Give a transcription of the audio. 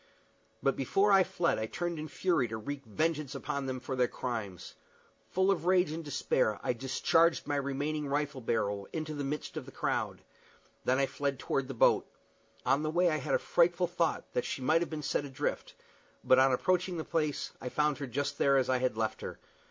But before I fled I turned in fury to wreak vengeance upon them for their crimes. Full of rage and despair, I discharged my remaining rifle barrel into the midst of the crowd. Then I fled toward the boat. On the way I had a frightful thought that she might have been sent adrift; but, on approaching the place, I found her there just as I had left her.